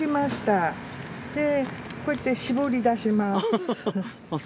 でこうやって絞り出します。